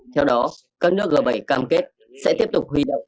theo đó các nước g bảy cam kết sẽ tiếp tục hỗ trợ tài chính cho ukraine